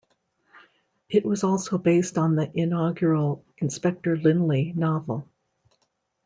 It was also based on the inaugural Inspector Lynley novel.